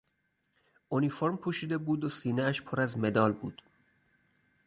اونیفورم پوشیده بود و سینهاش پر از مدال بود.